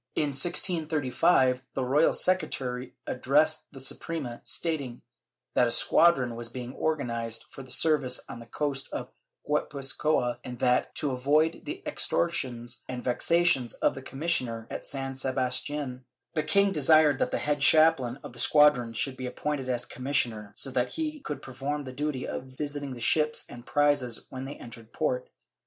^ In 1635, the royal secretary addressed the Suprema, stating that a squadron was being organized for service on the coast of Guipuzcoa and that, to avoid the extortions and vexations of the commissioner at San Sebastian, the king desired that the head chaplain of the squadron should be appointed as commissioner, so that he could perform the duty of visiting the ships and prizes when they entered port.